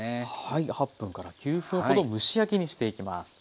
はい８分から９分ほど蒸し焼きにしていきます。